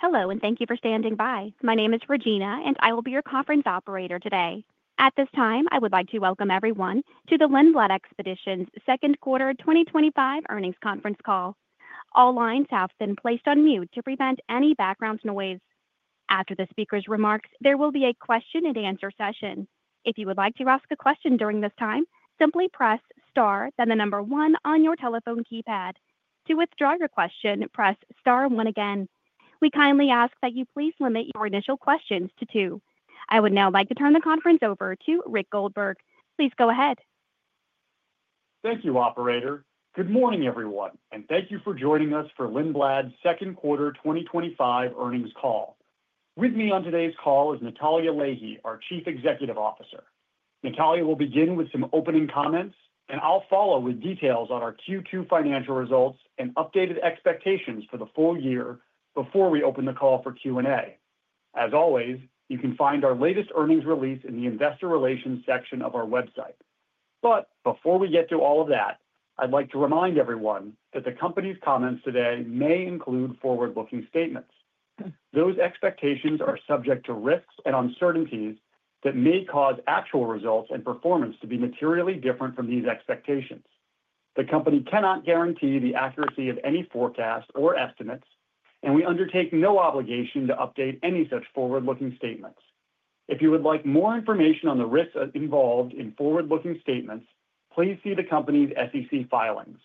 Hello, and thank you for standing by. My name is Regina, and I will be your conference operator today. At this time, I would like to welcome everyone to the Lindblad Expeditions Second Quarter 2025 Earnings Conference Call. All lines have been placed on mute to prevent any background noise. After the speaker's remarks, there will be a question-and-answer session. If you would like to ask a question during this time, simply press star then the number one on your telephone keypad. To withdraw your question, press star one again. We kindly ask that you please limit your initial questions to two. I would now like to turn the conference over to Rick Goldberg. Please go ahead. Thank you, Operator. Good morning, everyone, and thank you for joining us for Lindblad Expeditions' Second Quarter 2025 Earnings Call. With me on today's call is Natalya Leahy, our Chief Executive Officer. Natalya will begin with some opening comments, and I'll follow with details on our Q2 financial results and updated expectations for the full year before we open the call for Q&A. As always, you can find our latest earnings release in the Investor Relations section of our website. Before we get to all of that, I'd like to remind everyone that the company's comments today may include forward-looking statements. Those expectations are subject to risks and uncertainties that may cause actual results and performance to be materially different from these expectations. The company cannot guarantee the accuracy of any forecast or estimates, and we undertake no obligation to update any such forward-looking statements. If you would like more information on the risks involved in forward-looking statements, please see the company's SEC filings.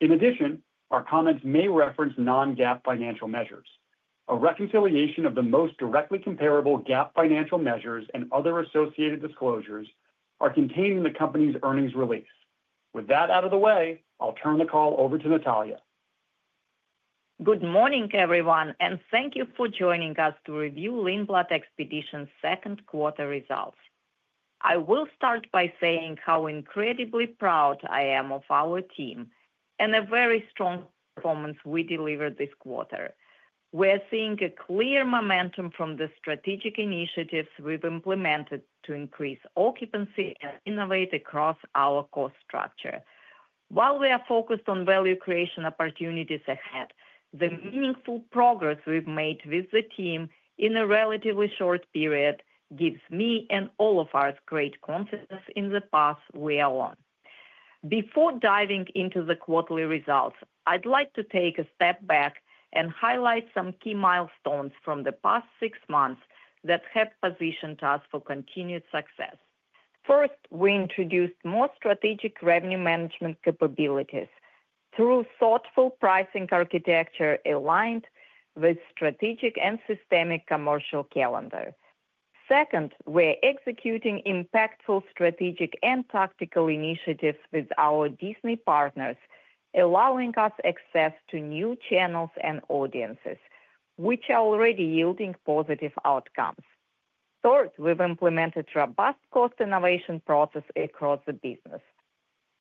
In addition, our comments may reference non-GAAP financial measures. A reconciliation of the most directly comparable GAAP financial measures and other associated disclosures are contained in the company's earnings release. With that out of the way, I'll turn the call over to Natalya. Good morning, everyone, and thank you for joining us to review Lindblad Expeditions' second quarter results. I will start by saying how incredibly proud I am of our team and the very strong performance we delivered this quarter. We're seeing a clear momentum from the strategic initiatives we've implemented to increase occupancy and innovate across our cost structure. While we are focused on value creation opportunities ahead, the meaningful progress we've made with the team in a relatively short period gives me and all of us great confidence in the path we are on. Before diving into the quarterly results, I'd like to take a step back and highlight some key milestones from the past six months that have positioned us for continued success. First, we introduced more strategic revenue management capabilities through thoughtful pricing architecture aligned with the strategic and systemic commercial calendar. Second, we're executing impactful strategic and tactical initiatives with our Disney partners, allowing us access to new channels and audiences, which are already yielding positive outcomes. Third, we've implemented robust cost innovation processes across the business.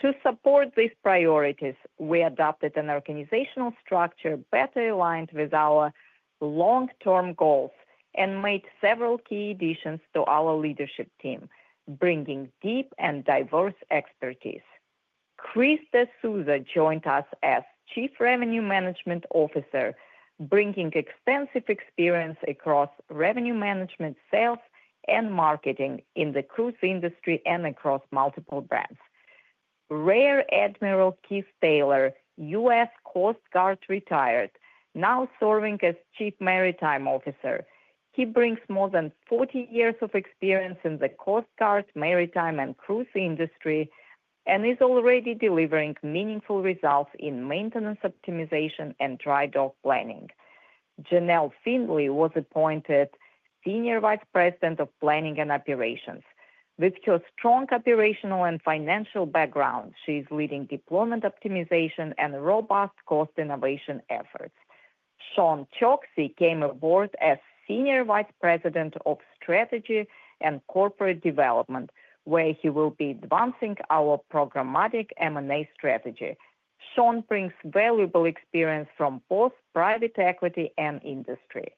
To support these priorities, we adopted an organizational structure better aligned with our long-term goals and made several key additions to our leadership team, bringing deep and diverse expertise. Krista Susa joined us as Chief Revenue Management Officer, bringing extensive experience across revenue management, sales, and marketing in the cruise industry and across multiple brands. Rear Admiral Keith Taylor, U.S. Coast Guard retired, now serving as Chief Maritime Officer. He brings more than 40 years of experience in the Coast Guard, maritime, and cruise industry and is already delivering meaningful results in maintenance optimization and dry dock planning. Janelle Finley was appointed Senior Vice President of Planning and Operations. With her strong operational and financial background, she is leading deployment optimization and robust cost innovation efforts. Sean Choksi came aboard as Senior Vice President of Strategy and Corporate Development, where he will be advancing our programmatic M&A strategy. Sean brings valuable experience from both private equity and industry.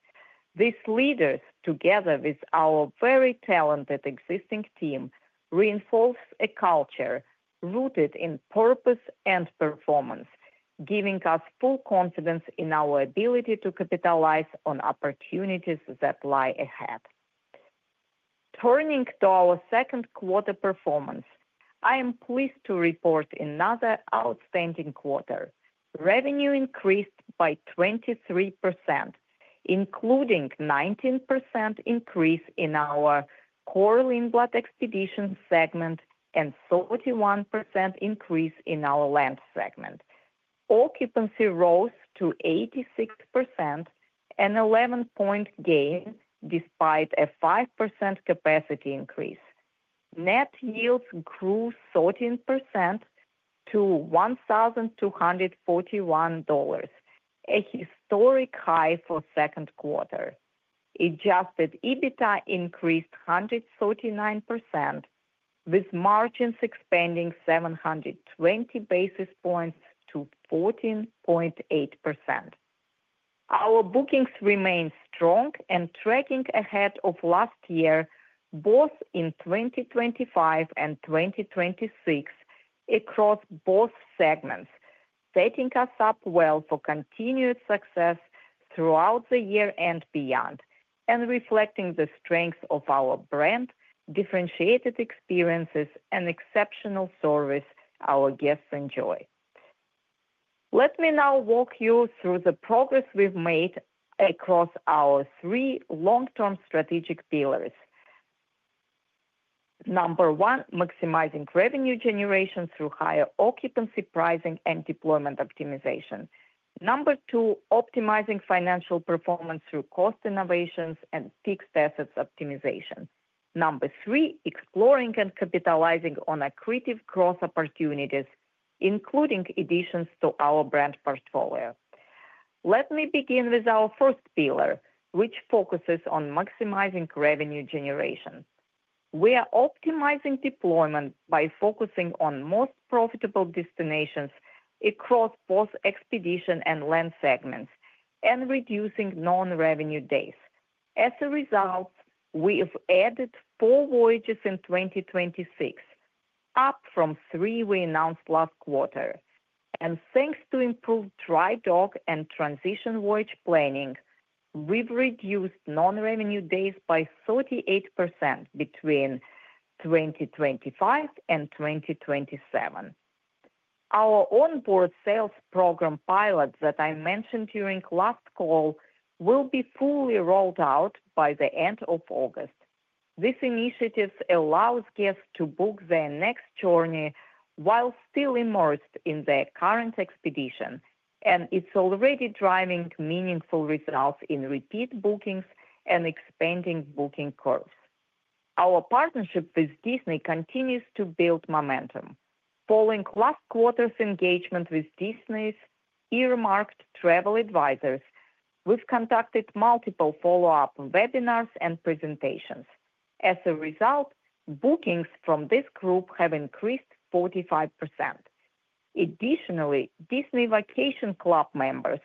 These leaders, together with our very talented existing team, reinforce a culture rooted in purpose and performance, giving us full confidence in our ability to capitalize on opportunities that lie ahead. Turning to our second quarter performance, I am pleased to report another outstanding quarter. Revenue increased by 23%, including a 19% increase in our core Lindblad Expeditions segment and a 31% increase in our Land Experiences segment. Occupancy rose to 86%, an 11-point gain despite a 5% capacity increase. Net yields grew 13% to $1,241, a historic high for the second quarter. Adjusted EBITDA increased 139%, with margins expanding 720 basis points to 14.8%. Our bookings remain strong and tracking ahead of last year, both in 2025 and 2026, across both segments, setting us up well for continued success throughout the year and beyond, and reflecting the strengths of our brand, differentiated experiences, and exceptional service our guests enjoy. Let me now walk you through the progress we've made across our three long-term strategic pillars. Number one, maximizing revenue generation through higher occupancy, pricing, and deployment optimization. Number two, optimizing financial performance through cost innovations and fixed assets optimization. Number three, exploring and capitalizing on accretive growth opportunities, including additions to our brand portfolio. Let me begin with our first pillar, which focuses on maximizing revenue generation. We are optimizing deployment by focusing on the most profitable destinations across both Expeditions and Land segments and reducing non-revenue days. As a result, we've added four voyages in 2026, up from three we announced last quarter. Thanks to improved dry dock and transition voyage planning, we've reduced non-revenue days by 38% between 2025 and 2027. Our onboard cruise sales program pilot that I mentioned during last call will be fully rolled out by the end of August. This initiative allows guests to book their next journey while still immersed in their current expedition, and it's already driving meaningful results in repeat bookings and expanding booking curves. Our partnership with Disney continues to build momentum. Following last quarter's engagement with Disney's earmarked travel advisors, we've conducted multiple follow-up webinars and presentations. As a result, bookings from this group have increased 45%. Additionally, Disney Vacation Club members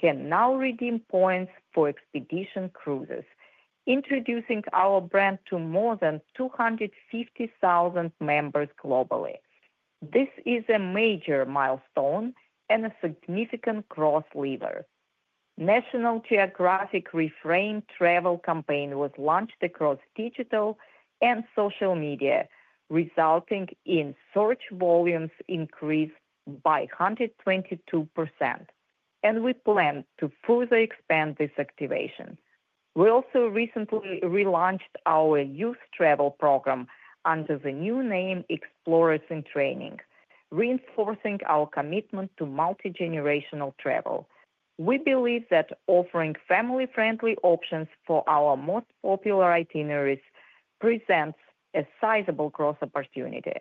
can now redeem points for expedition cruises, introducing our brand to more than 250,000 members globally. This is a major milestone and a significant cross-level. The National Geographic Reframed Travel campaign was launched across digital and social media, resulting in search volumes increased by 122%, and we plan to further expand this activation. We also recently relaunched our youth travel program under the new name Explorers in Training, reinforcing our commitment to multigenerational travel. We believe that offering family-friendly options for our most popular itineraries presents a sizable growth opportunity.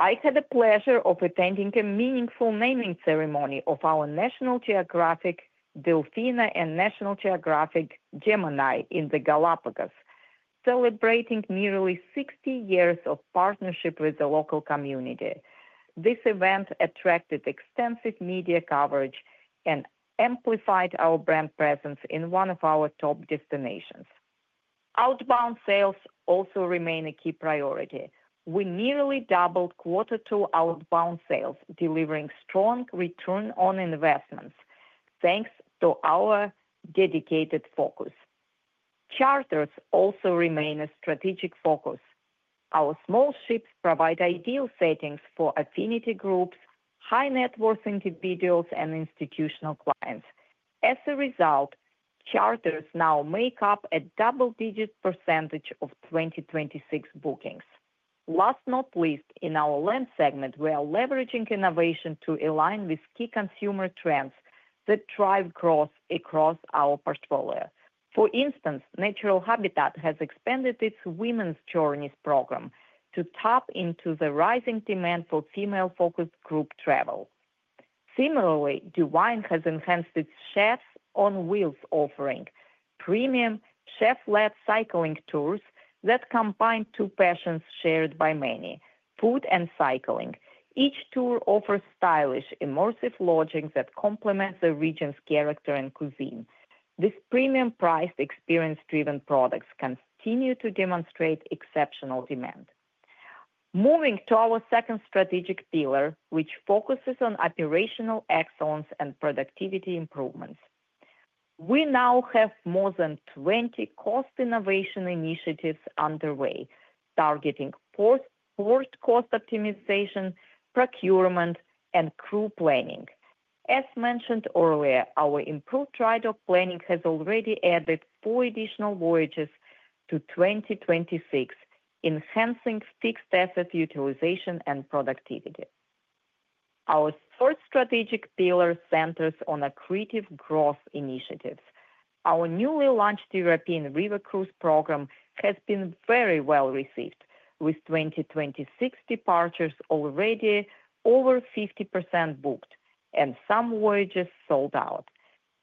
I had the pleasure of attending a meaningful naming ceremony of our National Geographic Delphina and National Geographic Gemini in the Galapagos, celebrating nearly 60 years of partnership with the local community. This event attracted extensive media coverage and amplified our brand presence in one of our top destinations. Outbound sales also remain a key priority. We nearly doubled Q2 outbound sales, delivering strong return on investments thanks to our dedicated focus. Charters also remain a strategic focus. Our small ships provide ideal settings for affinity groups, high net worth individuals, and institutional clients. As a result, charters now make up a double-digit percentage of 2026 bookings. Last but not least, in our Land Experiences segment, we are leveraging innovation to align with key consumer trends that drive growth across our portfolio. For instance, Natural Habitat has expanded its Women's Journeys program to tap into the rising demand for female-focused group travel. Similarly, Wineland Thomson Adventures has enhanced its Chefs on Wheels offering, premium chef-led cycling tours that combine two passions shared by many: food and cycling. Each tour offers stylish, immersive lodging that complements the region's character and cuisine. These premium-priced, experience-driven products continue to demonstrate exceptional demand. Moving to our second strategic pillar, which focuses on operational excellence and productivity improvements, we now have more than 20 cost innovation initiatives underway, targeting port cost optimization, procurement, and crew planning. As mentioned earlier, our improved dry dock planning has already added four additional voyages to 2026, enhancing fixed asset utilization and productivity. Our third strategic pillar centers on accretive growth initiatives. Our newly launched European river experience has been very well received, with 2026 departures already over 50% booked and some voyages sold out.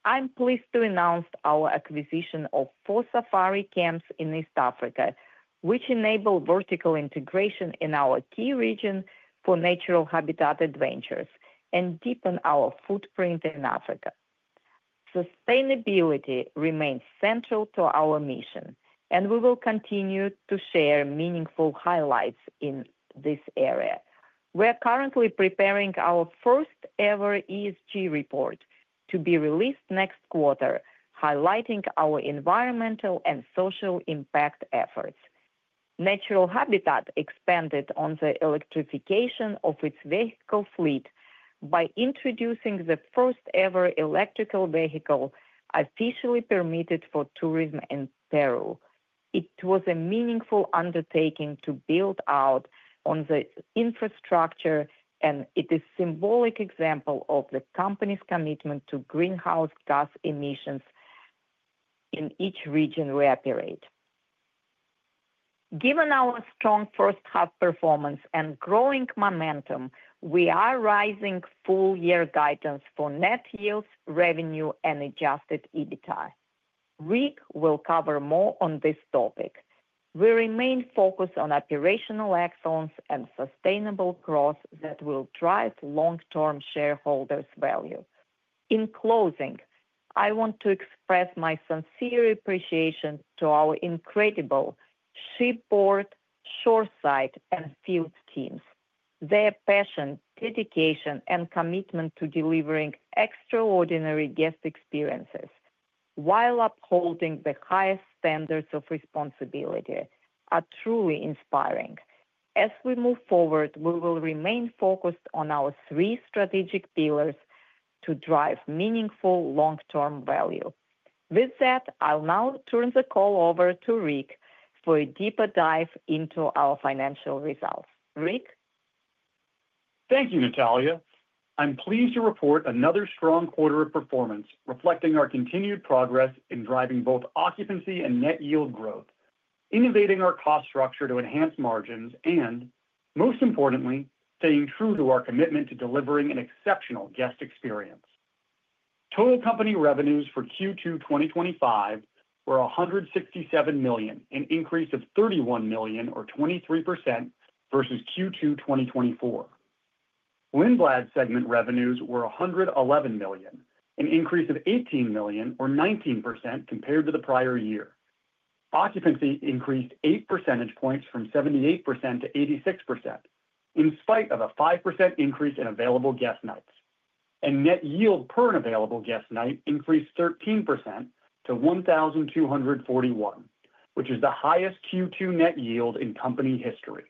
I'm pleased to announce our acquisition of four safari camps in East Africa, which enable vertical integration in our key region for Natural Habitat adventures and deepen our footprint in Africa. Sustainability remains central to our mission, and we will continue to share meaningful highlights in this area. We're currently preparing our first-ever ESG report to be released next quarter, highlighting our environmental and social impact efforts. Natural Habitat expanded on the electrification of its vehicle fleet by introducing the first-ever electric vehicle officially permitted for tourism in Peru. It was a meaningful undertaking to build out the infrastructure, and it is a symbolic example of the company's commitment to greenhouse gas emissions in each region we operate. Given our strong first half performance and growing momentum, we are raising full-year guidance for net yields, revenue, and adjusted EBITDA. Rick will cover more on this topic. We remain focused on operational excellence and sustainable growth that will drive long-term shareholder value. In closing, I want to express my sincere appreciation to our incredible shipboard, shoreside, and field teams. Their passion, dedication, and commitment to delivering extraordinary guest experiences while upholding the highest standards of responsibility are truly inspiring. As we move forward, we will remain focused on our three strategic pillars to drive meaningful long-term value. With that, I'll now turn the call over to Rick for a deeper dive into our financial results. Rick? Thank you, Natalya. I'm pleased to report another strong quarter of performance, reflecting our continued progress in driving both occupancy and net yield growth, innovating our cost structure to enhance margins, and most importantly, staying true to our commitment to delivering an exceptional guest experience. Total company revenues for Q2 2025 were $167 million, an increase of $31 million, or 23%, versus Q2 2024. Lindblad segment revenues were $111 million, an increase of $18 million, or 19%, compared to the prior year. Occupancy increased eight percentage points from 78%-86%, in spite of a 5% increase in available guest nights. Net yield per available guest night increased 13% to $1,241, which is the highest Q2 net yield in company history.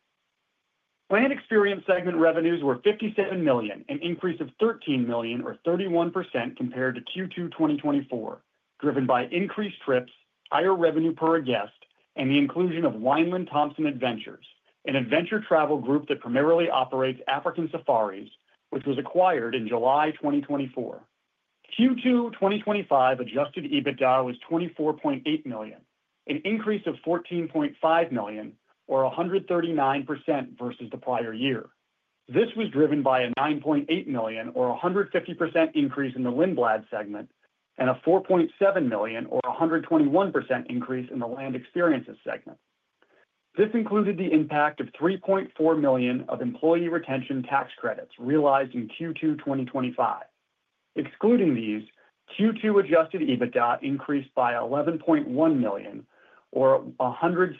Land Experiences segment revenues were $57 million, an increase of $13 million, or 31%, compared to Q2 2024, driven by increased trips, higher revenue per guest, and the inclusion of Wineland Thomson Adventures, an adventure travel group that primarily operates African safaris, which was acquired in July 2024. Q2 2025 adjusted EBITDA was $24.8 million, an increase of $14.5 million, or 139% versus the prior year. This was driven by a $9.8 million, or 150%, increase in the Lindblad segment and a $4.7 million, or 121%, increase in the Land Experiences segment. This included the impact of $3.4 million of employee retention tax credits realized in Q2 2025. Excluding these, Q2 adjusted EBITDA increased by $11.1 million, or 106%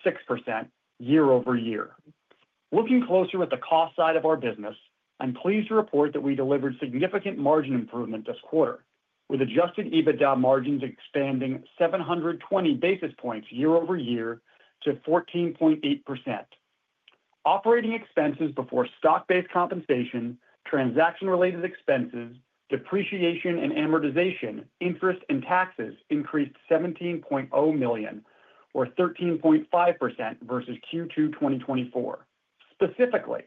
year over year. Looking closer at the cost side of our business, I'm pleased to report that we delivered significant margin improvement this quarter, with adjusted EBITDA margins expanding 720 basis points year-over-year to 14.8%. Operating expenses before stock-based compensation, transaction-related expenses, depreciation and amortization, interest, and taxes increased $17.0 million, or 13.5% versus Q2 2024. Specifically,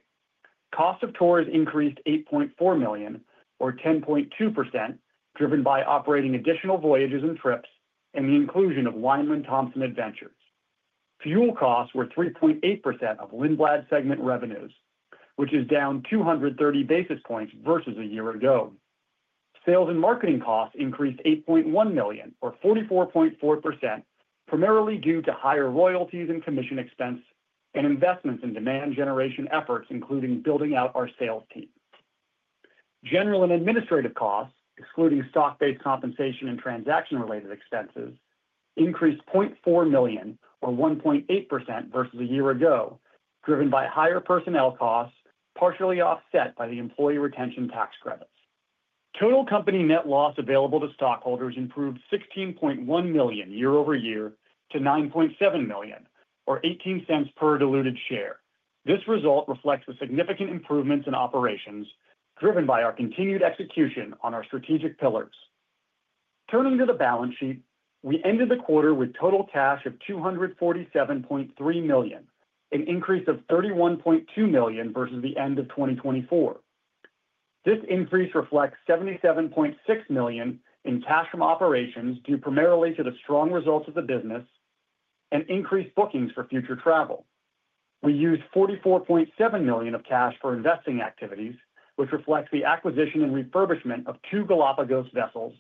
cost of tours increased $8.4 million, or 10.2%, driven by operating additional voyages and trips and the inclusion of Wineland Thomson Adventures. Fuel costs were 3.8% of Lindblad segment revenues, which is down 230 basis points versus a year ago. Sales and marketing costs increased $8.1 million, or 44.4%, primarily due to higher royalties and commission expense and investments in demand generation efforts, including building out our sales team. General and administrative costs, excluding stock-based compensation and transaction-related expenses, increased $0.4 million, or 1.8% versus a year ago, driven by higher personnel costs, partially offset by the employee retention tax credits. Total company net loss available to stockholders improved $16.1 million year-over-year to $9.7 million, or $0.18 per diluted share. This result reflects the significant improvements in operations, driven by our continued execution on our strategic pillars. Turning to the balance sheet, we ended the quarter with total cash of $247.3 million, an increase of $31.2 million versus the end of 2024. This increase reflects $77.6 million in cash from operations due primarily to the strong results of the business and increased bookings for future travel. We used $44.7 million of cash for investing activities, which reflects the acquisition and refurbishment of two Galapagos vessels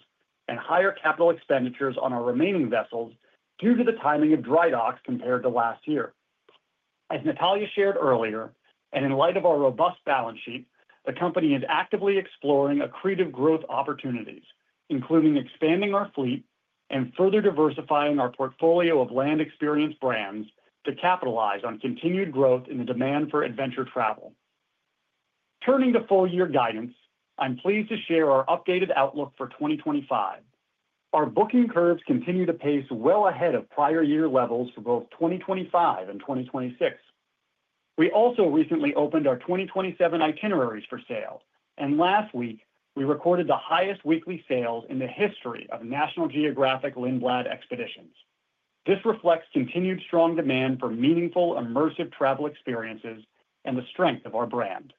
and higher capital expenditures on our remaining vessels due to the timing of dry docks compared to last year. As Natalya shared earlier, and in light of our robust balance sheet, the company is actively exploring accretive growth opportunities, including expanding our fleet and further diversifying our portfolio of Land Experience brands to capitalize on continued growth in the demand for adventure travel. Turning to full-year guidance, I'm pleased to share our updated outlook for 2025. Our booking curves continue to pace well ahead of prior year levels for both 2025 and 2026. We also recently opened our 2027 itineraries for sale, and last week, we recorded the highest weekly sales in the history of National Geographic Lindblad Expeditions. This reflects continued strong demand for meaningful, immersive travel experiences and the strength of our brand.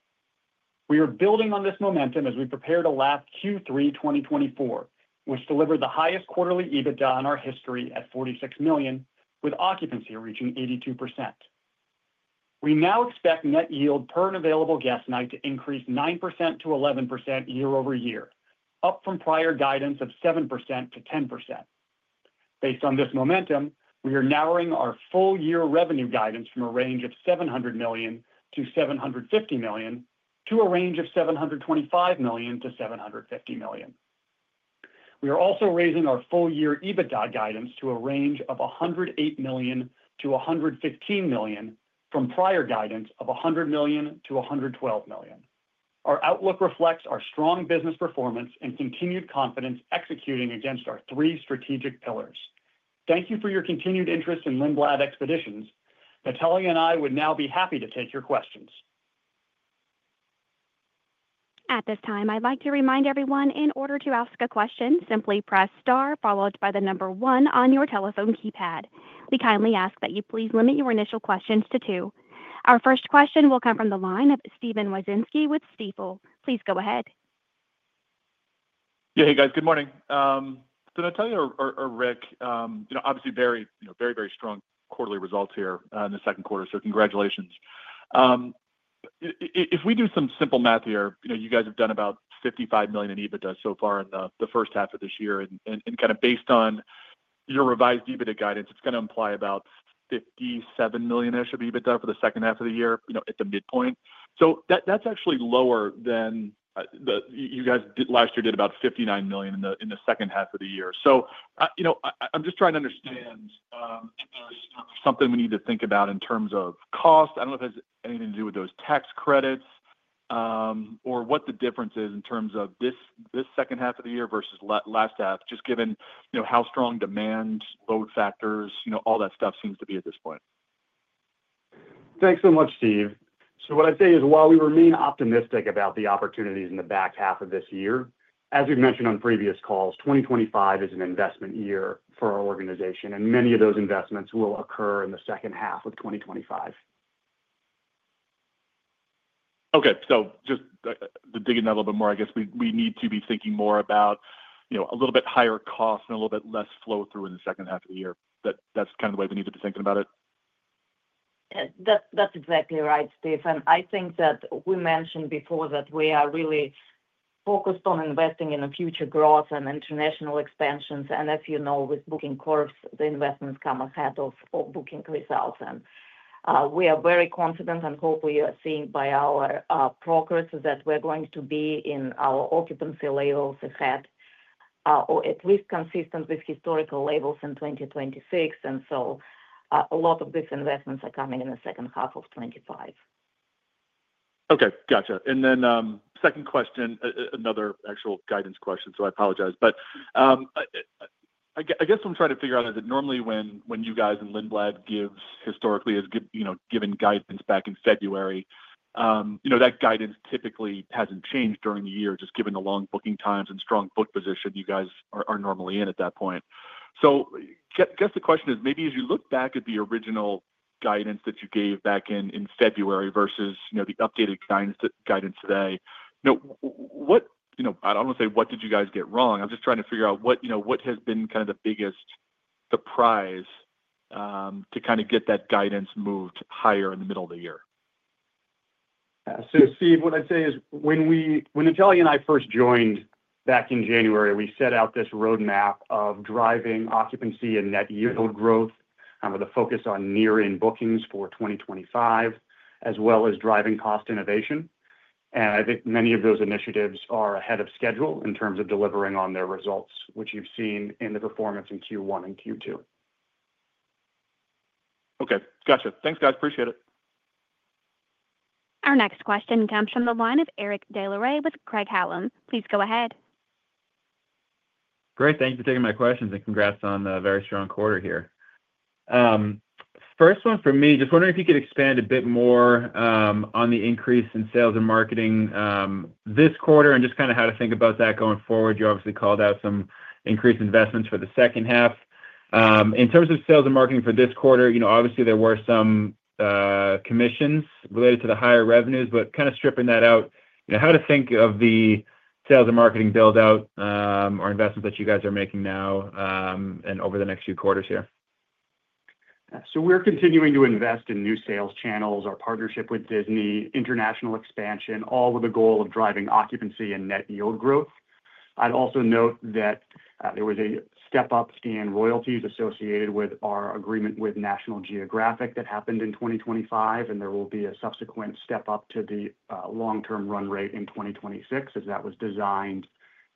We are building on this momentum as we prepare to launch Q3 2024, which delivered the highest quarterly EBITDA in our history at $46 million, with occupancy reaching 82%. We now expect net yield per an available guest night to increase 9%-11% year-over-year, up from prior guidance of 7%-10%. Based on this momentum, we are narrowing our full-year revenue guidance from a range of $700 million-$750 million to a range of $725 million-$750 million. We are also raising our full-year EBITDA guidance to a range of $108 million-$115 million, from prior guidance of $100 million-$112 million. Our outlook reflects our strong business performance and continued confidence executing against our three strategic pillars. Thank you for your continued interest in Lindblad Expeditions. Natalya and I would now be happy to take your questions. At this time, I'd like to remind everyone, in order to ask a question, simply press star followed by the number one on your telephone keypad. We kindly ask that you please limit your initial questions to two. Our first question will come from the line of Steve Wieczynski with Stifel. Please go ahead. Yeah, hey, guys. Good morning. Natalya or Rick, obviously very, very, very strong quarterly results here in the second quarter, so congratulations. If we do some simple math here, you guys have done about $55 million in EBITDA so far in the first half of this year. Kind of based on your revised EBITDA guidance, it's going to imply about $57 million of EBITDA for the second half of the year at the midpoint. That's actually lower than you guys last year did, about $59 million in the second half of the year. I'm just trying to understand if there's something we need to think about in terms of cost. I don't know if it has anything to do with those tax credits or what the difference is in terms of this second half of the year versus last half, just given how strong demand, load factors, all that stuff seems to be at this point. Thanks so much, Steve. What I'd say is, while we remain optimistic about the opportunities in the back half of this year, as we've mentioned on previous calls, 2025 is an investment year for our organization, and many of those investments will occur in the second half of 2025. Okay, just digging into that a little bit more, I guess we need to be thinking more about a little bit higher cost and a little bit less flow-through in the second half of the year. That's kind of the way we need to be thinking about it? That's exactly right, Steve. I think that we mentioned before that we are really focused on investing in the future growth and international expansions. As you know, with booking curves, the investments come ahead of booking results. We are very confident, and hopefully, you are seeing by our progress that we're going to be in our occupancy levels ahead, or at least consistent with historical levels in 2026. A lot of these investments are coming in the second half of 2025. Okay, gotcha. Another actual guidance question, so I apologize. I guess what I'm trying to figure out is that normally when you guys and Lindblad give historically as given guidance back in February, that guidance typically hasn't changed during the year, just given the long booking times and strong book position you guys are normally in at that point. I guess the question is, maybe as you look back at the original guidance that you gave back in February versus the updated guidance today, what has been kind of the biggest surprise to get that guidance moved higher in the middle of the year? Steve, what I'd say is when Natalya and I first joined back in January, we set out this roadmap of driving occupancy and net yield growth with a focus on near-end bookings for 2025, as well as driving cost innovation. I think many of those initiatives are ahead of schedule in terms of delivering on their results, which you've seen in the performance in Q1 and Q2. Okay, gotcha. Thanks, guys. Appreciate it. Our next question comes from the line of Eric DeLeray with Craig Hallum. Please go ahead. Great. Thank you for taking my questions and congrats on a very strong quarter here. First one for me, just wondering if you could expand a bit more on the increase in sales and marketing this quarter and just kind of how to think about that going forward. You obviously called out some increased investments for the second half. In terms of sales and marketing for this quarter, there were some commissions related to the higher revenues, but stripping that out, how to think of the sales and marketing buildout or investments that you guys are making now and over the next few quarters here? We're continuing to invest in new sales channels, our partnership with Disney, international expansion, all with the goal of driving occupancy and net yield growth. I'd also note that there was a step-up to royalties associated with our agreement with National Geographic that happened in 2025, and there will be a subsequent step-up to the long-term run rate in 2026, as that was designed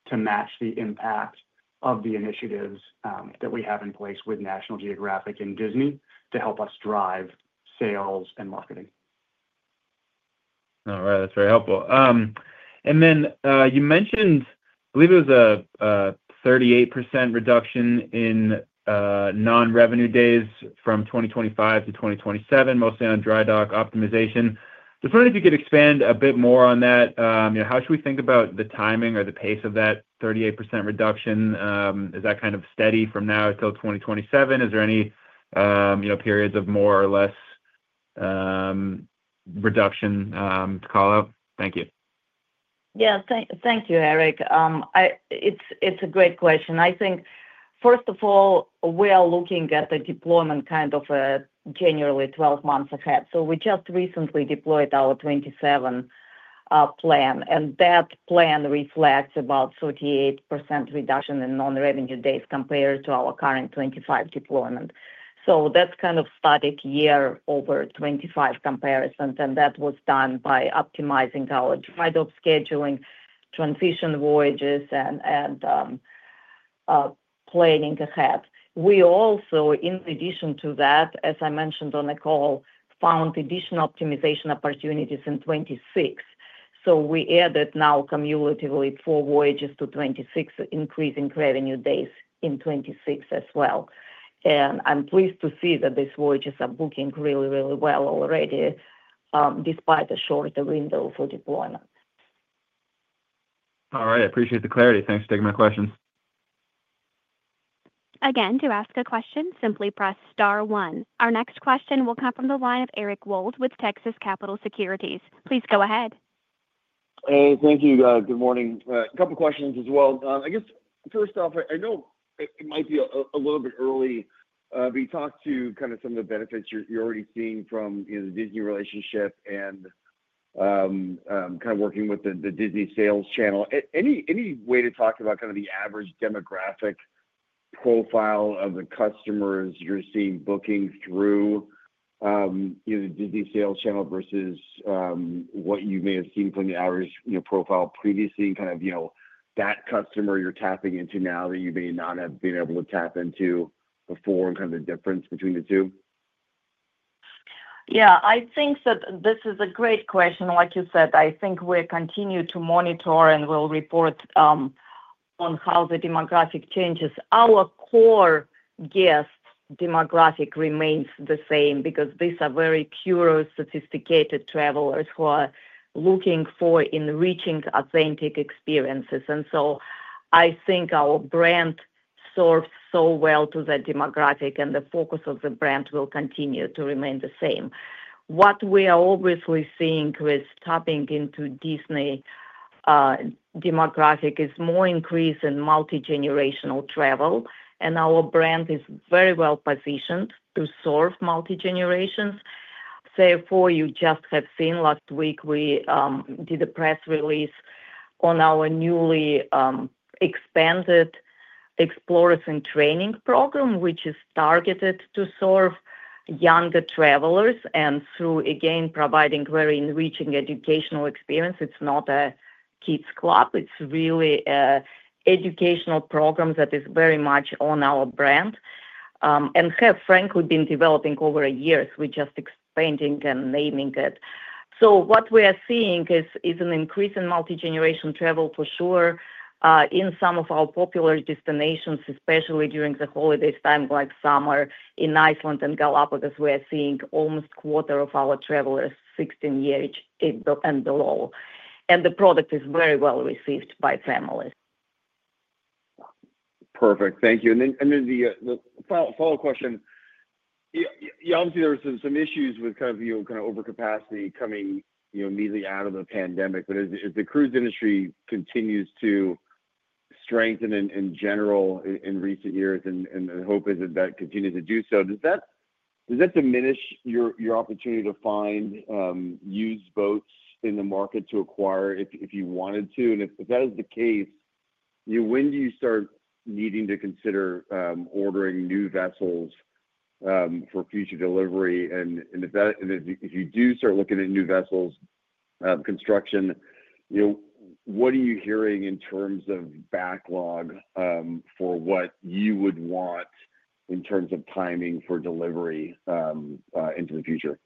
to match the impact of the initiatives that we have in place with National Geographic and Disney to help us drive sales and marketing. All right, that's very helpful. You mentioned, I believe it was a 38% reduction in non-revenue days from 2025 to 2027, mostly on dry dock optimization. Just wondering if you could expand a bit more on that. How should we think about the timing or the pace of that 38% reduction? Is that kind of steady from now until 2027? Is there any periods of more or less reduction to call out? Thank you. Yeah, thank you, Eric. It's a great question. I think, first of all, we are looking at the deployment kind of generally 12 months ahead. We just recently deployed our 2027 plan, and that plan reflects about a 38% reduction in non-revenue days compared to our current 2025 deployment. That kind of started year over 2025 comparisons, and that was done by optimizing our dry dock planning, transition voyages, and planning ahead. In addition to that, as I mentioned on the call, we found additional optimization opportunities in 2026. We added now cumulatively four voyages to 2026, increasing revenue days in 2026 as well. I'm pleased to see that these voyages are booking really, really well already, despite a shorter window for deployment. All right, I appreciate the clarity. Thanks for taking my questions. Again, to ask a question, simply press star one. Our next question will come from the line of Eric Wold with Texas Capital Securities. Please go ahead. Hey, thank you. Good morning. A couple of questions as well. I guess first off, I know it might be a little bit early, but you talked to kind of some of the benefits you're already seeing from the Disney relationship and kind of working with the Disney sales channel. Any way to talk about kind of the average demographic profile of the customers you're seeing booking through the Disney sales channel versus what you may have seen from the average profile previously? Kind of, you know, that customer you're tapping into now that you may not have been able to tap into before and kind of the difference between the two? Yeah, I think that this is a great question. Like you said, I think we continue to monitor and will report on how the demographic changes. Our core guest demographic remains the same because these are very curious, sophisticated travelers who are looking for enriching, authentic experiences. I think our brand serves so well to that demographic, and the focus of the brand will continue to remain the same. What we are obviously seeing with tapping into the Disney demographic is more increase in multigenerational travel, and our brand is very well positioned to serve multi-generations. You just have seen last week we did a press release on our newly expanded Explorers in Training program, which is targeted to serve younger travelers. Through providing very enriching educational experience, it's not a kids' club. It's really an educational program that is very much on our brand and has, frankly, been developing over a year. We're just expanding and naming it. What we are seeing is an increase in multi-generation travel for sure in some of our popular destinations, especially during the holiday time, like summer in Iceland and Galapagos. We are seeing almost a quarter of our travelers 16 years and below, and the product is very well received by families. Perfect. Thank you. The follow-up question: obviously, there were some issues with kind of the overcapacity coming immediately out of the pandemic. As the cruise industry continues to strengthen in general in recent years, and the hope is that it continues to do so, does that diminish your opportunity to find used boats in the market to acquire if you wanted to? If that is the case, when do you start needing to consider ordering new vessels for future delivery? If you do start looking at new vessels construction, what are you hearing in terms of backlog for what you would want in terms of timing for delivery into the future?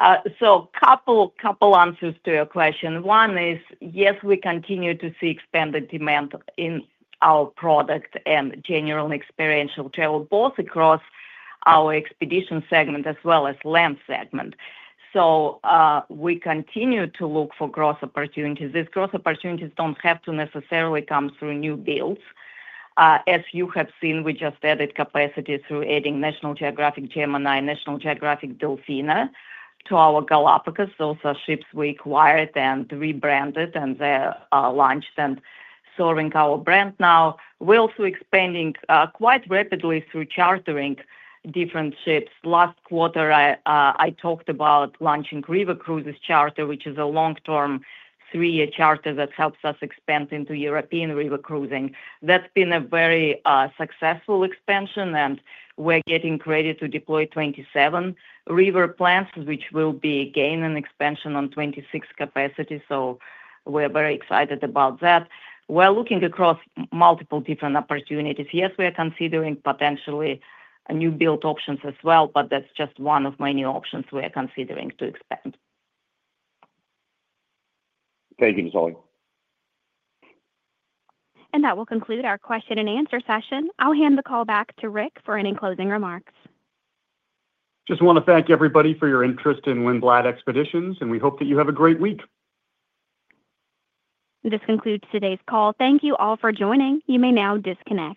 A couple of answers to your question. One is, yes, we continue to see expanded demand in our product and general experiential travel, both across our Expedition segment as well as Land segment. We continue to look for growth opportunities. These growth opportunities don't have to necessarily come through new builds. As you have seen, we just added capacity through adding National Geographic Gemini and National Geographic Delfina to our Galapagos. Those are ships we acquired and rebranded and launched and serving our brand now. We're also expanding quite rapidly through chartering different ships. Last quarter, I talked about launching River Cruises Charter, which is a long-term three-year charter that helps us expand into European river cruising. That's been a very successful expansion, and we're getting ready to deploy 27 river plans, which will be again an expansion on 2026 capacity. We're very excited about that. We're looking across multiple different opportunities. Yes, we are considering potentially new build options as well, but that's just one of many options we are considering to expand. Thank you, Natalya. That will conclude our question-and-answer session. I'll hand the call back to Rick for any closing remarks. Just want to thank everybody for your interest in Lindblad Expeditions, and we hope that you have a great week. This concludes today's call. Thank you all for joining. You may now disconnect.